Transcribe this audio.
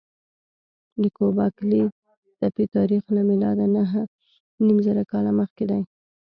د ګوبک لي تپې تاریخ له میلاده نههنیمزره کاله مخکې دی.